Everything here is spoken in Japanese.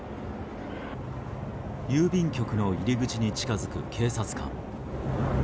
郵便局の入り口に近づく警察官。